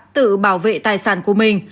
tự bảo vệ tài sản của mình